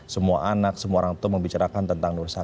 semua anak semua orang tua membicarakan tentang nur satu